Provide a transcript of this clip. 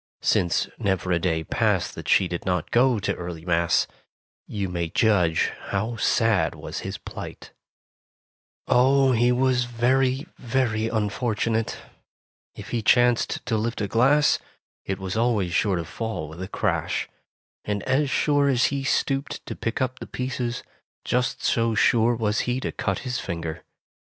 Since never a day passed that she did not go to early Mass, you may judge how sad was his plight. 49 50 Tales of Modern Germany Oh, he was very, very unfortunate! If he chanced to lift a glass, it was always sure to fall with a crash; and as sure as he stooped to pick up the pieces, just so sure was he to cut his finger.